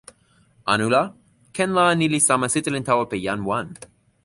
anu la, ken la ni li sama sitelen tawa pi jan wan.